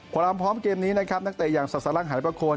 พร้อมพร้อมเกมนี้นะครับนักเตะอย่างศักดิ์ศรักษ์หลังหายประโคลน